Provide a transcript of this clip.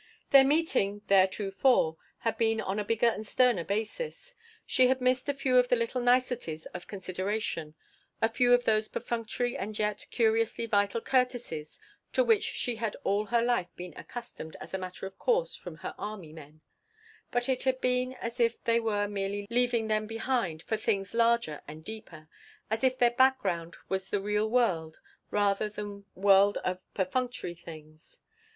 Their meetings theretofore had been on a bigger and a sterner basis; she had missed a few of the little niceties of consideration, a few of those perfunctory and yet curiously vital courtesies to which she had all her life been accustomed as a matter of course from her army men; but it had been as if they were merely leaving them behind for things larger and deeper, as if their background was the real world rather than world of perfunctory things.